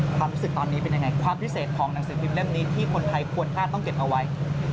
ความรู้สึกตอนนี้เป็นยังไงความพิเศษของหนังสือพิมพ์เล่มนี้ที่คนไทยควรพลาดต้องเก็บเอาไว้